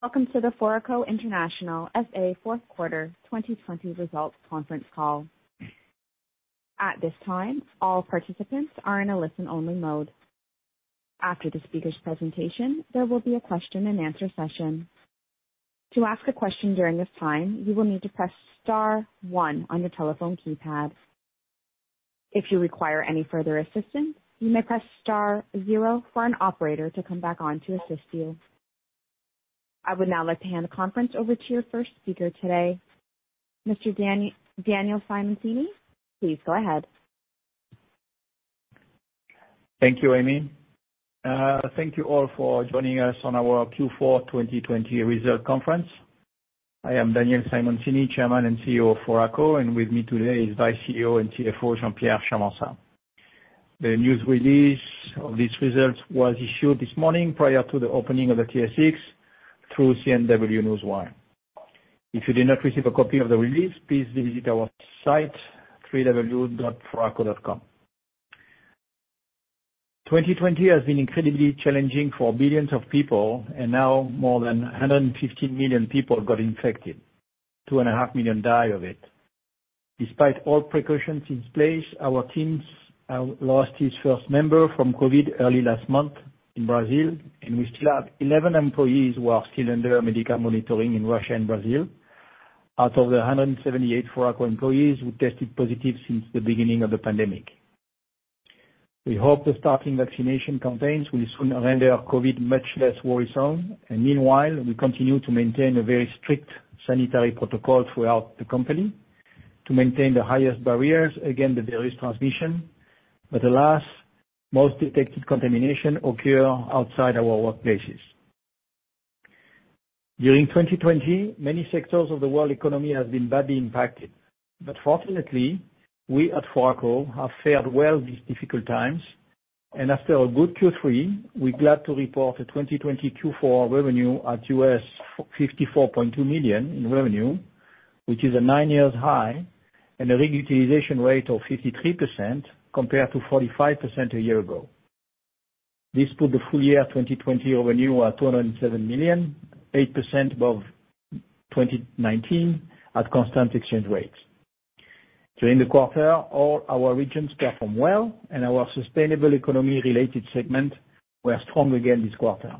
Welcome to the Foraco International SA Fourth Quarter 2020 Results Conference Call. At this time, all participants are in a listen-only mode. After the speaker's presentation, there will be a question-and-answer session. To ask a question during this time, you will need to press star one on your telephone keypad. If you require any further assistance, you may press star zero for an operator to come back on to assist you. I would now like to hand the conference over to your first speaker today, Mr. Daniel Simoncini. Please go ahead. Thank you, Amy. Thank you all for joining us on our Q4 2020 Results Conference. I am Daniel Simoncini, Chairman and CEO of Foraco, and with me today is Vice CEO and CFO, Jean-Pierre Charmensat. The news release of these results was issued this morning prior to the opening of the TSX through CNW Newswire. If you did not receive a copy of the release, please visit our site, www.foraco.com. 2020 has been incredibly challenging for billions of people, and now more than 150 million people got infected. 2.5 million died of it. Despite all precautions in place, our team lost its first member from COVID early last month in Brazil, and we still have 11 employees who are still under medical monitoring in Russia and Brazil, out of the 178 Foraco employees who tested positive since the beginning of the pandemic. We hope the starting vaccination campaigns will soon render COVID much less worrisome, and meanwhile, we continue to maintain a very strict sanitary protocol throughout the company to maintain the highest barriers against the various transmissions, but alas, most detected contamination occurs outside our workplaces. During 2020, many sectors of the world economy have been badly impacted, but fortunately, we at Foraco have fared well these difficult times, and after a good Q3, we're glad to report a 2020 Q4 revenue at $54.2 million in revenue, which is a nine-year high and a utilization rate of 53% compared to 45% a year ago. This put the full year 2020 revenue at $207 million, 8% above 2019 at constant exchange rates. During the quarter, all our regions performed well, and our sustainable economy-related segment was strong again this quarter.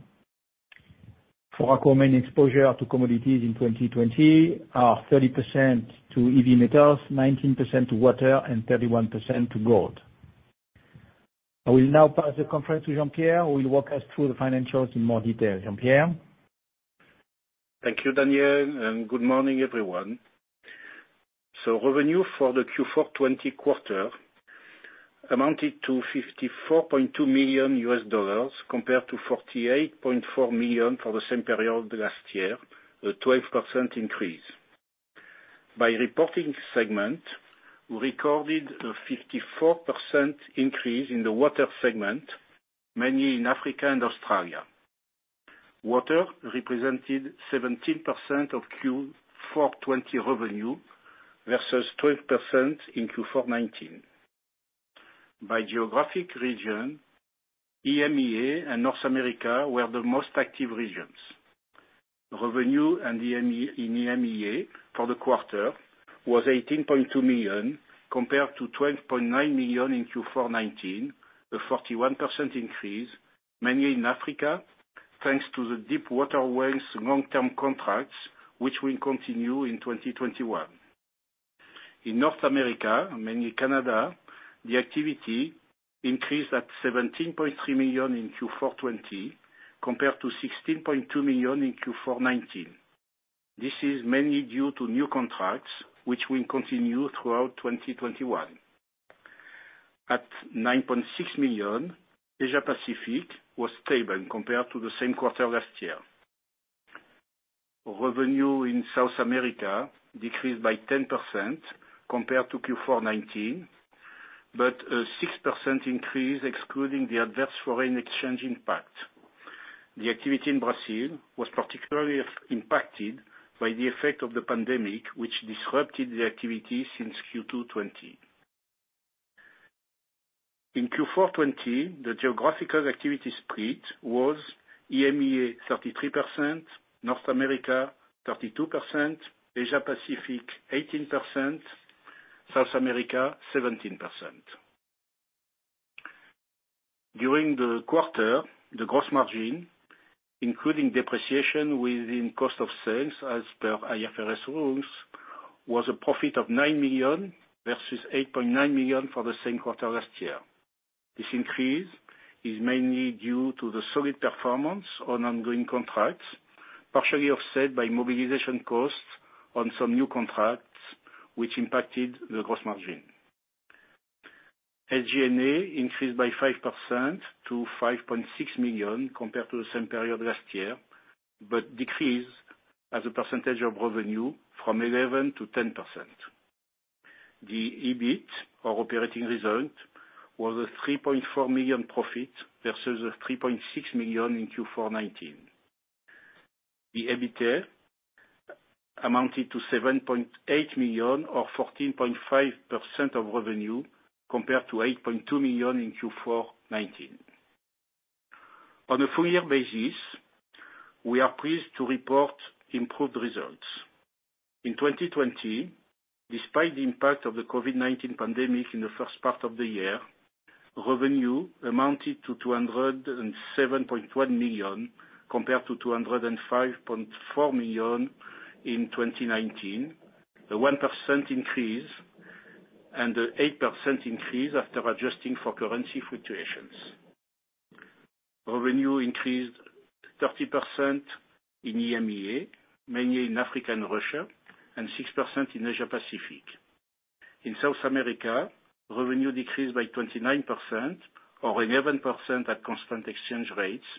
Foraco main exposure to commodities in 2020 are 30% to EV metals, 19% to water, and 31% to gold. I will now pass the conference to Jean-Pierre, who will walk us through the financials in more detail. Jean-Pierre? Thank you, Daniel, and good morning, everyone. So, revenue for the Q4 2020 quarter amounted to $54.2 million compared to $48.4 million for the same period last year, a 12% increase. By reporting segment, we recorded a 54% increase in the water segment, mainly in Africa and Australia. Water represented 17% of Q4 2020 revenue versus 12% in Q4 2019. By geographic region, EMEA and North America were the most active regions. Revenue in EMEA for the quarter was $18.2 million compared to $12.9 million in Q4 2019, a 41% increase, mainly in Africa, thanks to the deep water wells long-term contracts which will continue in 2021. In North America, mainly Canada, the activity increased at $17.3 million in Q4 2020 compared to $16.2 million in Q4 2019. This is mainly due to new contracts which will continue throughout 2021. At $9.6 million, Asia Pacific was stable compared to the same quarter last year. Revenue in South America decreased by 10% compared to Q4 2019, but a 6% increase excluding the adverse foreign exchange impact. The activity in Brazil was particularly impacted by the effect of the pandemic, which disrupted the activity since Q2 2020. In Q4 2020, the geographical activity split was EMEA 33%, North America 32%, Asia Pacific 18%, South America 17%. During the quarter, the gross margin, including depreciation within cost of sales as per IFRS rules, was a profit of $9 million versus $8.9 million for the same quarter last year. This increase is mainly due to the solid performance on ongoing contracts, partially offset by mobilization costs on some new contracts, which impacted the gross margin. SG&A increased by 5% to $5.6 million compared to the same period last year, but decreased as a percentage of revenue from 11% to 10%. The EBIT, or operating result, was a $3.4 million profit versus a $3.6 million in Q4 2019. The EBITDA amounted to $7.8 million, or 14.5% of revenue, compared to $8.2 million in Q4 2019. On a full-year basis, we are pleased to report improved results. In 2020, despite the impact of the COVID-19 pandemic in the first part of the year, revenue amounted to $207.1 million compared to $205.4 million in 2019, a 1% increase and an 8% increase after adjusting for currency fluctuations. Revenue increased 30% in EMEA, mainly in Africa and Russia, and 6% in Asia Pacific. In South America, revenue decreased by 29% or 11% at constant exchange rates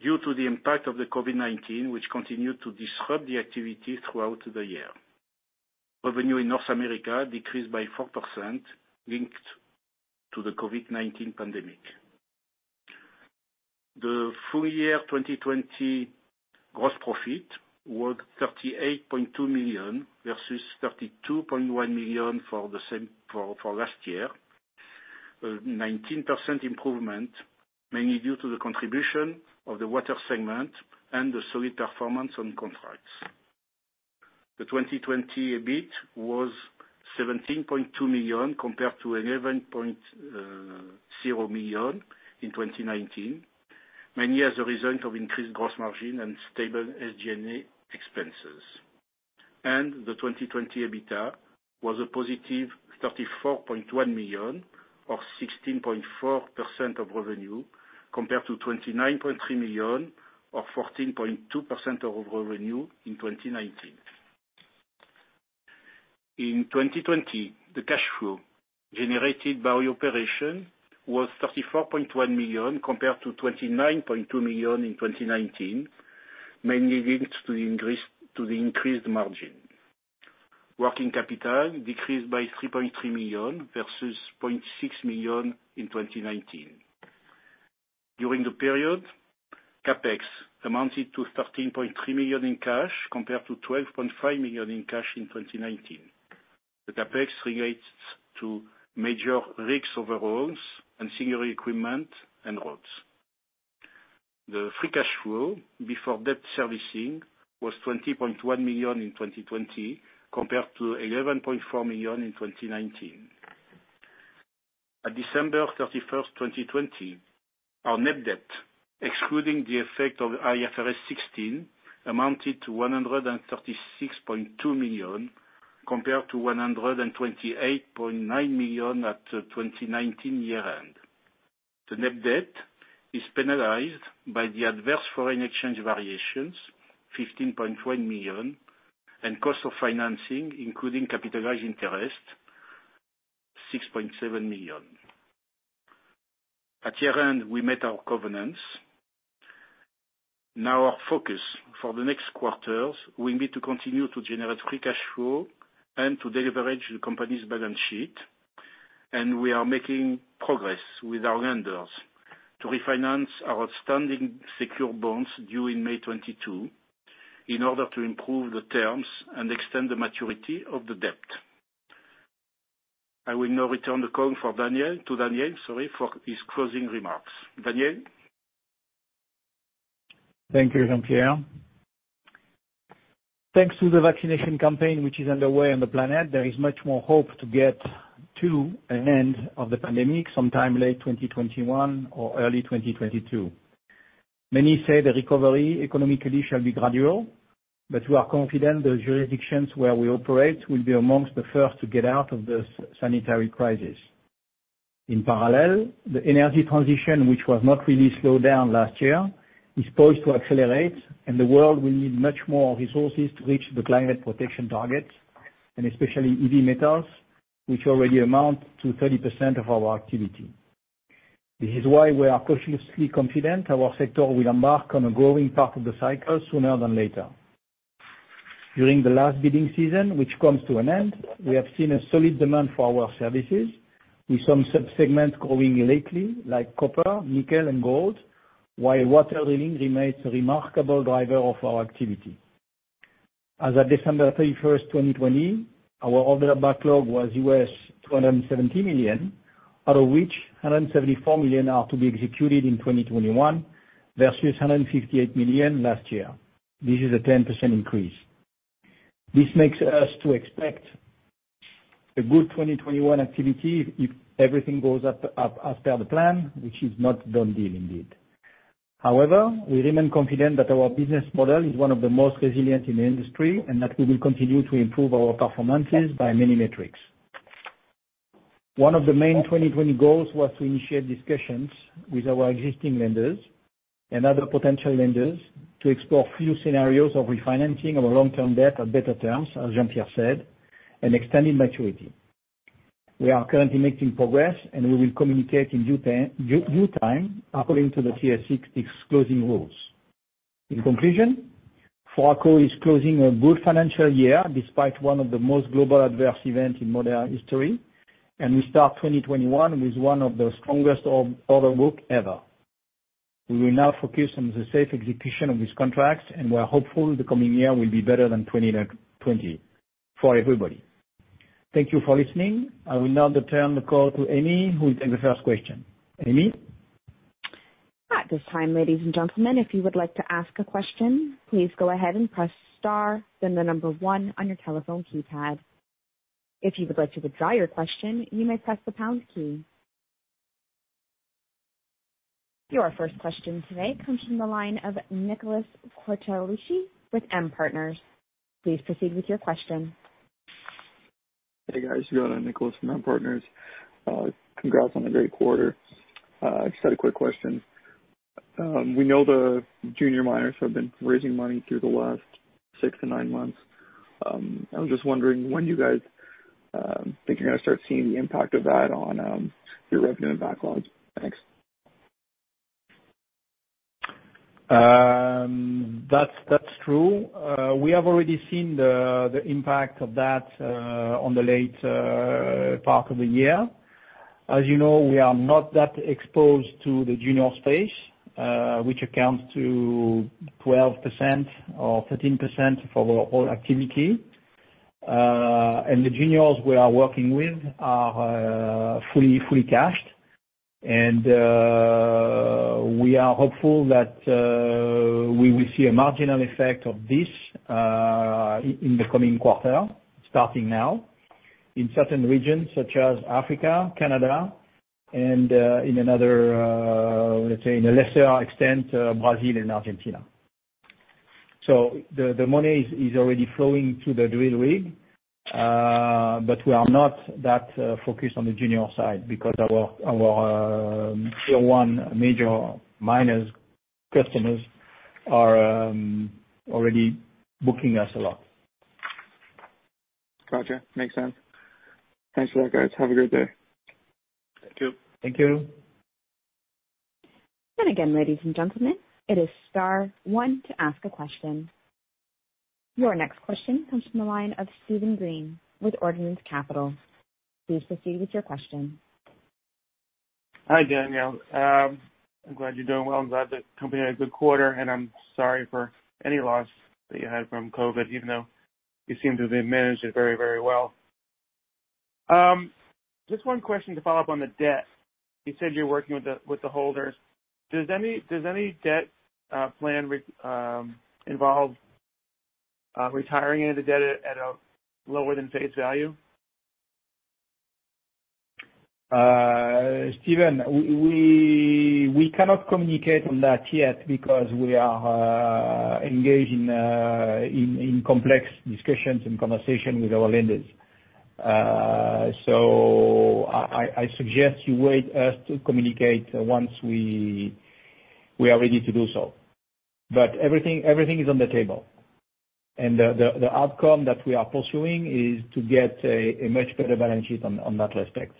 due to the impact of the COVID-19, which continued to disrupt the activity throughout the year. Revenue in North America decreased by 4% linked to the COVID-19 pandemic. The full-year 2020 gross profit was $38.2 million versus $32.1 million for last year, a 19% improvement, mainly due to the contribution of the water segment and the solid performance on contracts. The 2020 EBIT was $17.2 million compared to $11.0 million in 2019, mainly as a result of increased gross margin and stable SG&A expenses. The 2020 EBITDA was a positive $34.1 million, or 16.4% of revenue, compared to $29.3 million, or 14.2% of revenue in 2019. In 2020, the cash flow generated by operation was $34.1 million compared to $29.2 million in 2019, mainly linked to the increased margin. Working capital decreased by $3.3 million versus $0.6 million in 2019. During the period, CapEx amounted to $13.3 million in cash compared to $12.5 million in cash in 2019. The CapEx relates to major rigs overhauls and singular equipment and rods. The free cash flow before debt servicing was $20.1 million in 2020 compared to $11.4 million in 2019. At December 31, 2020, our net debt, excluding the effect of IFRS 16, amounted to $136.2 million compared to $128.9 million at the 2019 year-end. The net debt is penalized by the adverse foreign exchange variations, $15.1 million, and cost of financing, including capitalized interest, $6.7 million. At year-end, we met our covenants. Now, our focus for the next quarter will be to continue to generate free cash flow and to deleverage the company's balance sheet, and we are making progress with our lenders to refinance our outstanding secure bonds due in May 2022 in order to improve the terms and extend the maturity of the debt. I will now return the call to Daniel, sorry, for his closing remarks. Daniel? Thank you, Jean-Pierre. Thanks to the vaccination campaign, which is underway on the planet, there is much more hope to get to an end of the pandemic sometime late 2021 or early 2022. Many say the recovery economically shall be gradual, but we are confident the jurisdictions where we operate will be among the first to get out of the sanitary crisis. In parallel, the energy transition, which was not really slowed down last year, is poised to accelerate, and the world will need much more resources to reach the climate protection targets, and especially heavy metals, which already amount to 30% of our activity. This is why we are cautiously confident our sector will embark on a growing part of the cycle sooner than later. During the last bidding season, which comes to an end, we have seen a solid demand for our services, with some subsegments growing lately, like copper, nickel, and gold, while water drilling remains a remarkable driver of our activity. As of December 31, 2020, our order backlog was $270 million, out of which $174 million are to be executed in 2021 versus $158 million last year. This is a 10% increase. This makes us expect a good 2021 activity if everything goes up as per the plan, which is not a done deal, indeed. However, we remain confident that our business model is one of the most resilient in the industry and that we will continue to improve our performances by many metrics. One of the main 2020 goals was to initiate discussions with our existing lenders and other potential lenders to explore few scenarios of refinancing our long-term debt at better terms, as Jean-Pierre said, and extended maturity. We are currently making progress, and we will communicate in due time according to the TSX's closing rules. In conclusion, Foraco is closing a good financial year despite one of the most global adverse events in modern history, and we start 2021 with one of the strongest order books ever. We will now focus on the safe execution of these contracts, and we are hopeful the coming year will be better than 2020 for everybody. Thank you for listening. I will now turn the call to Amy, who will take the first question. Amy? At this time, ladies and gentlemen, if you would like to ask a question, please go ahead and press star, then the number one on your telephone keypad. If you would like to withdraw your question, you may press the pound key. Your first question today comes from the line of Nicholas Cortellucci with M Partners. Please proceed with your question. Hey, guys. Good. I'm Nicholas from M Partners. Congrats on a great quarter. Just had a quick question. We know the junior miners have been raising money through the last 6-9 months. I was just wondering when do you guys think you're going to start seeing the impact of that on your revenue and backlog? Thanks. That's true. We have already seen the impact of that on the late part of the year. As you know, we are not that exposed to the junior space, which accounts for 12% or 13% of our whole activity. And the juniors we are working with are fully cashed. And we are hopeful that we will see a marginal effect of this in the coming quarter, starting now, in certain regions such as Africa, Canada, and in another, let's say, in a lesser extent, Brazil and Argentina. So the money is already flowing to the drill rig, but we are not that focused on the junior side because our tier one major miners' customers are already booking us a lot. Gotcha. Makes sense. Thanks for that, guys. Have a great day. Thank you. Thank you. And again, ladies and gentlemen, it is star one to ask a question. Your next question comes from the line of Steven Green with Ordinance Capital. Please proceed with your question. Hi, Daniel. I'm glad you're doing well. I'm glad the company had a good quarter, and I'm sorry for any loss that you had from COVID, even though you seem to have managed it very, very well. Just one question to follow up on the debt. You said you're working with the holders. Does any debt plan involve retiring any of the debt at a lower than face value? Steven, we cannot communicate on that yet because we are engaged in complex discussions and conversations with our lenders. So I suggest you wait us to communicate once we are ready to do so. But everything is on the table. And the outcome that we are pursuing is to get a much better balance sheet on that respect.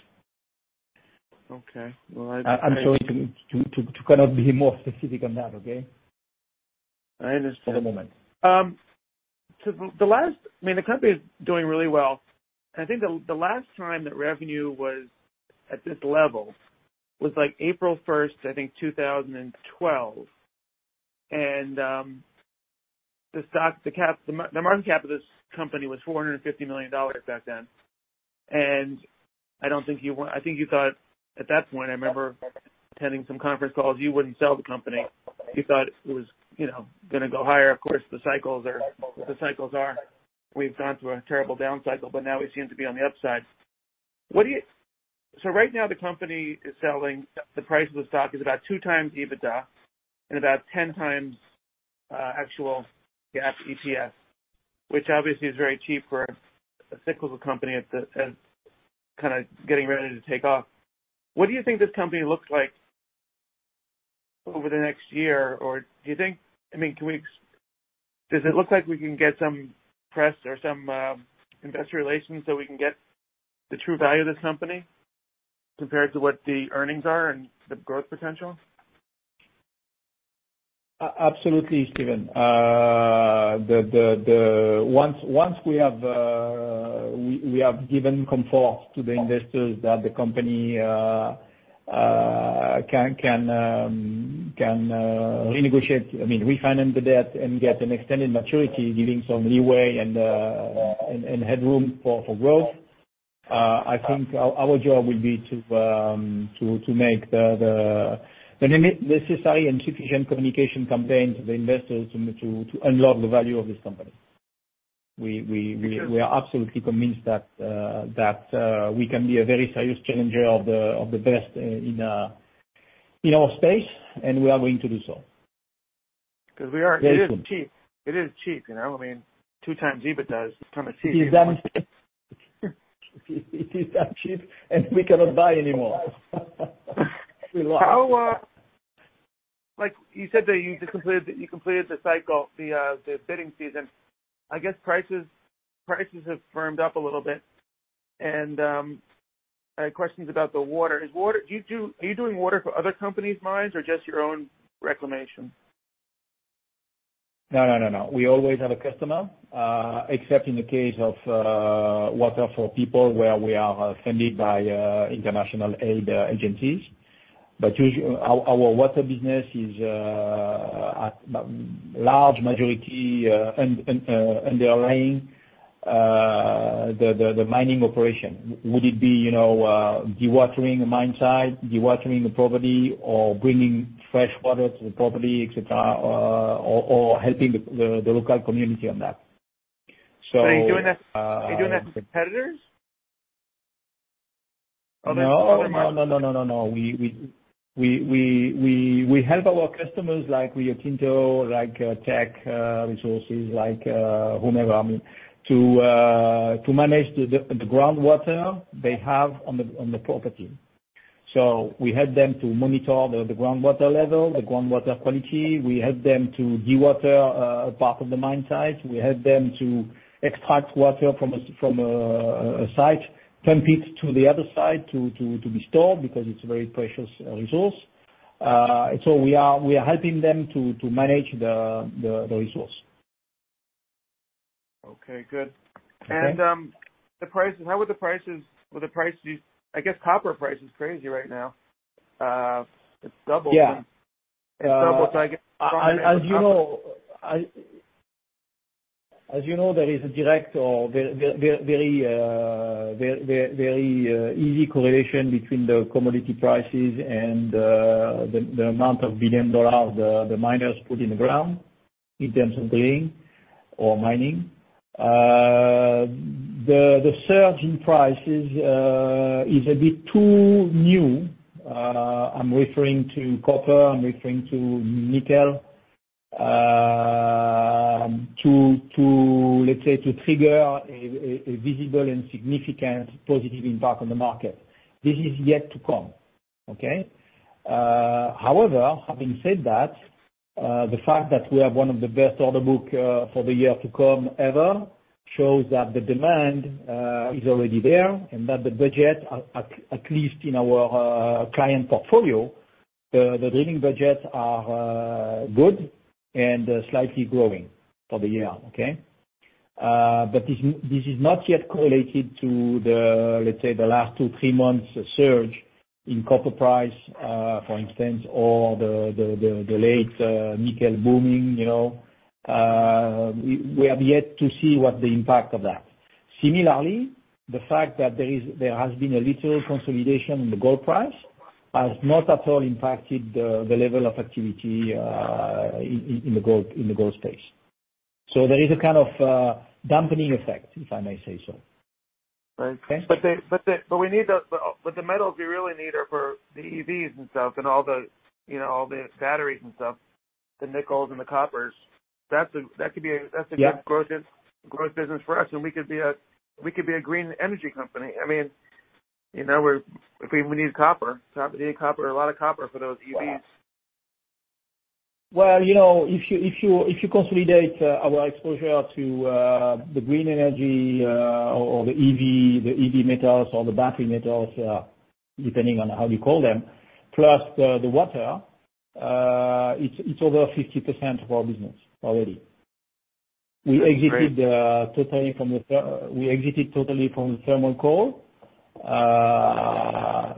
Okay. Well, I. I'm sorry I cannot be more specific on that, okay? I understand. For the moment. I mean, the company is doing really well. I think the last time that revenue was at this level was April 1, I think, 2012. And the market cap of this company was $450 million back then. And I don't think you want I think you thought at that point, I remember attending some conference calls, you wouldn't sell the company. You thought it was going to go higher. Of course, the cycles are we've gone through a terrible down cycle, but now we seem to be on the upside. So right now, the company is selling the price of the stock is about 2x EBITDA and about 10x actual GAAP EPS, which obviously is very cheap for a cyclical company kind of getting ready to take off. What do you think this company looks like over the next year? Or do you think I mean, does it look like we can get some press or some investor relations so we can get the true value of this company compared to what the earnings are and the growth potential? Absolutely, Steven. Once we have given confidence to the investors that the company can renegotiate, I mean, refinance the debt and get an extended maturity, giving some leeway and headroom for growth, I think our job will be to make the necessary and sufficient communication campaigns to the investors to unlock the value of this company. We are absolutely convinced that we can be a very serious challenger of the best in our space, and we are going to do so. Because it is cheap. It is cheap. I mean, 2x EBITDA is kind of cheap. It is that cheap, and we cannot buy anymore. You said that you completed the cycle, the bidding season. I guess prices have firmed up a little bit. My question is about the water. Are you doing water for other companies, mines, or just your own reclamation? No, no, no, no. We always have a customer, except in the case of water for people where we are funded by international aid agencies. But our water business is a large majority underlying the mining operation. Would it be dewatering a mine site, dewatering a property, or bringing fresh water to the property, etc., or helping the local community on that? Are you doing that to competitors? Other miners? No, no, no, no, no, no. We help our customers like Rio Tinto, like Teck Resources, like whomever, I mean, to manage the groundwater they have on the property. So we help them to monitor the groundwater level, the groundwater quality. We help them to dewater part of the mine site. We help them to extract water from a site, pump it to the other side to be stored because it's a very precious resource. So we are helping them to manage the resource. Okay. Good. And how would the prices, I guess, copper price is crazy right now. It's doubled. Yeah. It's doubled. So I guess. As you know, there is a direct or very easy correlation between the commodity prices and the amount of billion dollars the miners put in the ground in terms of drilling or mining. The surge in prices is a bit too new. I'm referring to copper. I'm referring to nickel to, let's say, to trigger a visible and significant positive impact on the market. This is yet to come, okay? However, having said that, the fact that we have one of the best order books for the year to come ever shows that the demand is already there and that the budget, at least in our client portfolio, the drilling budgets are good and slightly growing for the year, okay? But this is not yet correlated to the, let's say, the last 2-3 months surge in copper price, for instance, or the late nickel booming. We have yet to see what the impact of that. Similarly, the fact that there has been a little consolidation in the gold price has not at all impacted the level of activity in the gold space. So there is a kind of dampening effect, if I may say so. Right. But we need the metals we really need are for the EVs and stuff and all the batteries and stuff, the nickels and the coppers. That could be a good growth business for us, and we could be a green energy company. I mean, we need copper. We need a lot of copper for those EVs. Well, if you consolidate our exposure to the green energy or the EV metals or the battery metals, depending on how you call them, plus the water, it's over 50% of our business already. We exited totally from the thermal coal, but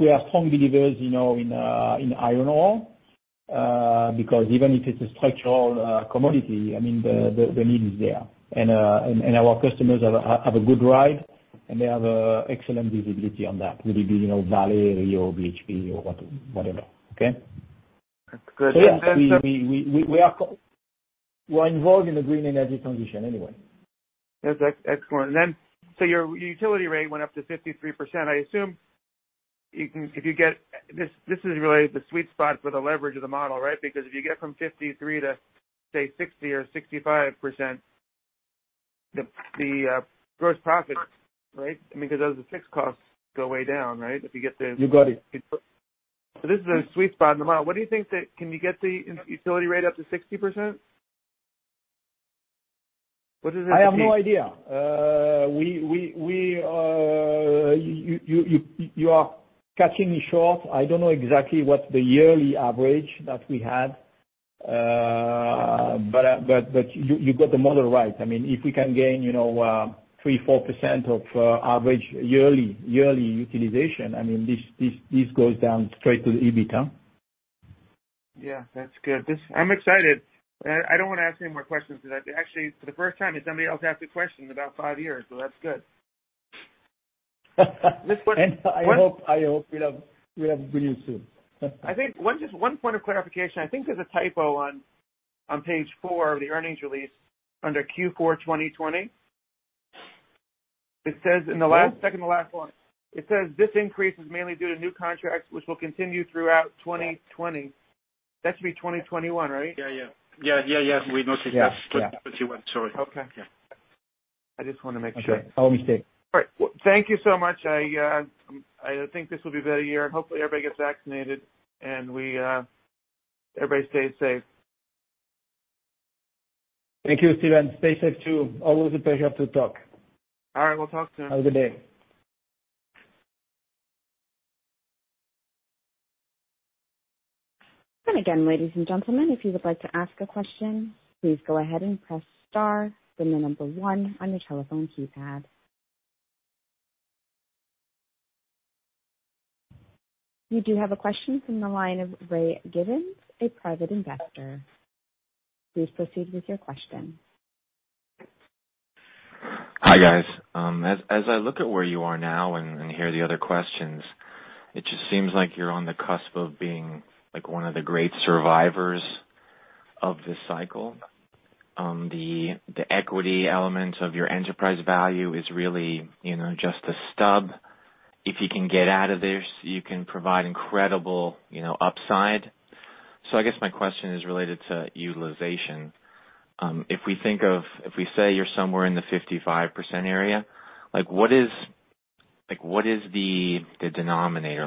we are strong believers in iron ore because even if it's a structural commodity, I mean, the need is there. And our customers have a good ride, and they have excellent visibility on that, whether it be Vale, Rio, BHP, or whatever, okay? That's good. We are involved in the green energy transition anyway. That's excellent. Then your utilization rate went up to 53%. I assume if you get this is really the sweet spot for the leverage of the model, right? Because if you get from 53% to, say, 60% or 65%, the gross profit, right? I mean, because those fixed costs go way down, right? If you get the. You got it. So this is a sweet spot in the model. What do you think that can you get the utilization rate up to 60%? What does it? I have no idea. You are catching me short. I don't know exactly what the yearly average that we had, but you got the model right. I mean, if we can gain 3%-4% of average yearly utilization, I mean, this goes down straight to the EBITDA. Yeah. That's good. I'm excited. I don't want to ask any more questions because actually, for the first time, did somebody else ask a question in about five years, so that's good. I hope we have a good news soon. I think just one point of clarification. I think there's a typo on page 4 of the earnings release under Q4 2020. It says in the last second of the last one, it says, "This increase is mainly due to new contracts, which will continue throughout 2020." That should be 2021, right? Yeah, yeah. Yeah, yeah, yeah. We noticed that. 2021. Sorry. Okay. I just want to make sure. Okay. Our mistake. All right. Thank you so much. I think this will be a better year. Hopefully, everybody gets vaccinated, and everybody stays safe. Thank you, Steven. Stay safe too. Always a pleasure to talk. All right. We'll talk soon. Have a good day. And again, ladies and gentlemen, if you would like to ask a question, please go ahead and press star then the number one on your telephone keypad. You do have a question from the line of Ray Giddens, a private investor. Please proceed with your question. Hi, guys. As I look at where you are now and hear the other questions, it just seems like you're on the cusp of being one of the great survivors of this cycle. The equity element of your enterprise value is really just a stub. If you can get out of this, you can provide incredible upside. So I guess my question is related to utilization. If we think of, if we say you're somewhere in the 55% area, what is the denominator?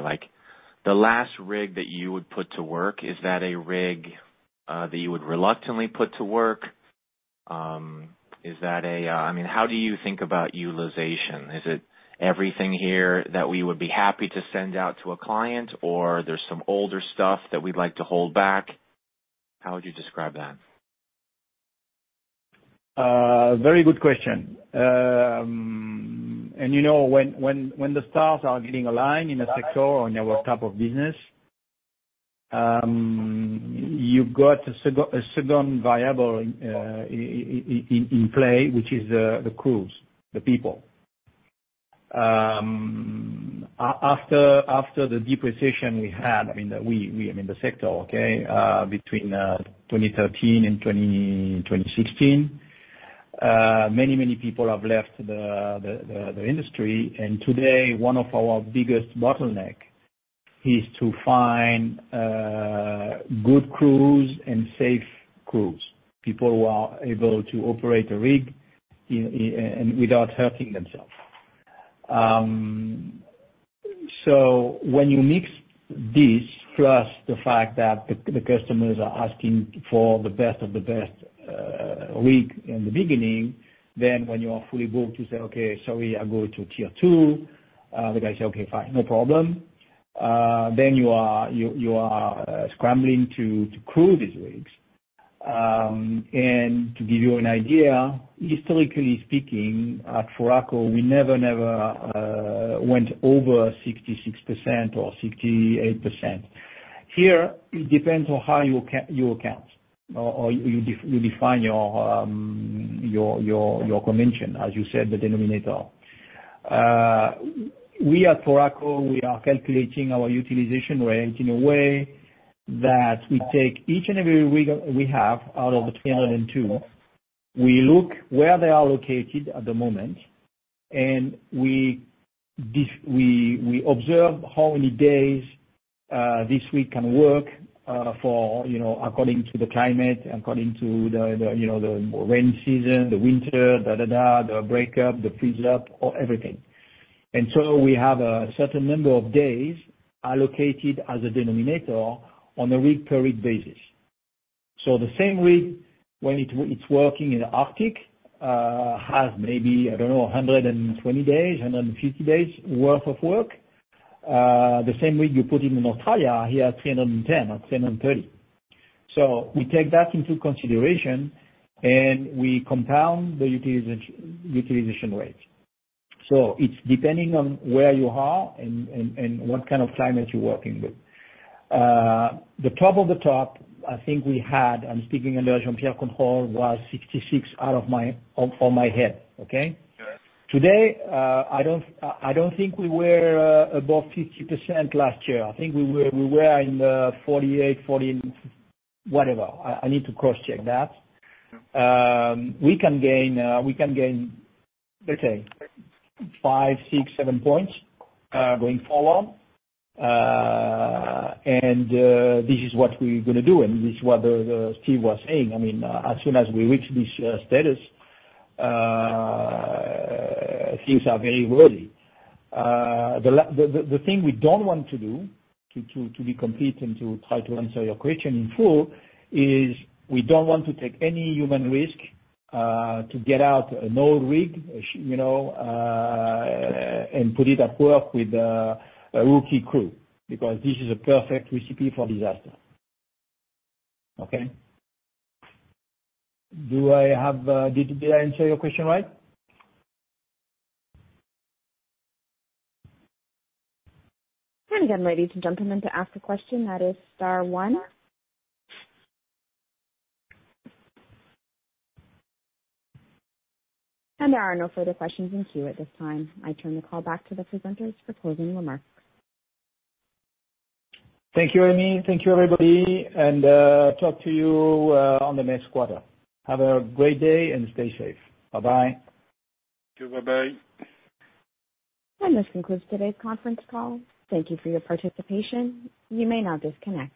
The last rig that you would put to work, is that a rig that you would reluctantly put to work? Is that a—I mean, how do you think about utilization? Is it everything here that we would be happy to send out to a client, or there's some older stuff that we'd like to hold back? How would you describe that? Very good question. And when the stars are getting aligned in a sector or in our type of business, you've got a second variable in play, which is the crews, the people. After the depression we had, I mean, the sector, okay, between 2013 and 2016, many, many people have left the industry. And today, one of our biggest bottlenecks is to find good crews and safe crews, people who are able to operate a rig without hurting themselves. So when you mix this plus the fact that the customers are asking for the best of the best rig in the beginning, then when you are fully booked, you say, "Okay, sorry, I go to tier two." The guy says, "Okay, fine. No problem." Then you are scrambling to crew these rigs. And to give you an idea, historically speaking, at Foraco, we never, never went over 66% or 68%. Here, it depends on how you account or you define your convention, as you said, the denominator. We at Foraco, we are calculating our utilization rate in a way that we take each and every rig we have out of the 302, we look where they are located at the moment, and we observe how many days this rig can work according to the climate, according to the rainy season, the winter, the breakup, the freeze-up, or everything. And so we have a certain number of days allocated as a denominator on a rig per rig basis. So the same rig, when it's working in the Arctic, has maybe, I don't know, 120 days, 150 days' worth of work. The same rig you put in Australia, he has 310 or 330. So we take that into consideration, and we compound the utilization rate. So it's depending on where you are and what kind of climate you're working with. The top of the top, I think we had. I'm speaking under Jean-Pierre Charmensat. Was 66% off the top of my head, okay? Today, I don't think we were above 50% last year. I think we were in the 48, 40, whatever. I need to cross-check that. We can gain, let's say, five, six, seven points going forward. And this is what we're going to do, and this is what Steve was saying. I mean, as soon as we reach this status, things are very worthy. The thing we don't want to do, to be complete and to try to answer your question in full, is we don't want to take any human risk to get out an old rig and put it at work with a rookie crew because this is a perfect recipe for disaster, okay? Did I answer your question right? Again, ladies and gentlemen, to ask a question, that is star one. There are no further questions in queue at this time. I turn the call back to the presenters for closing remarks. Thank you, Amy. Thank you, everybody. Talk to you on the next quarter. Have a great day and stay safe. Bye-bye. Thank you. Bye-bye. This concludes today's conference call. Thank you for your participation. You may now disconnect.